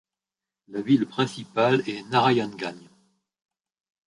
La ville principale est Narayanganj.